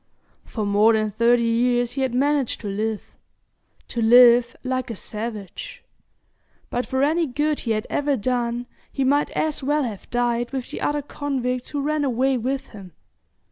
For more than thirty years he had managed to live to live like a savage; but for any good he had ever done he might as well have died with the other convicts who ran away with him.